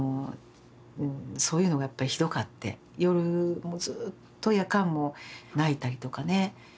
そういうのがやっぱりひどかって夜もうずっと夜間も泣いたりとかね。